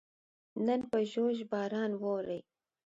نن په ژوژ باران ووري